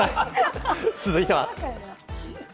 続いては。